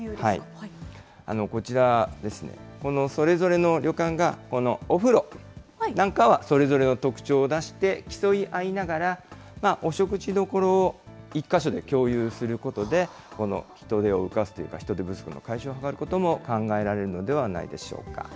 こちらですね、このそれぞれの旅館がお風呂なんかはそれぞれの特徴を出して競い合いながら、お食事どころを１か所で共有することで、人手を浮かすというか、人手不足の解消を図ることも考えられるのではないでしょうか。